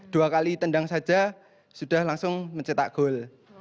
dua kali tendang saja sudah langsung mencetak gol